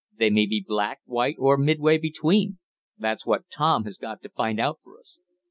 They may be black, white or midway between. That's what Tom has got to find out for us."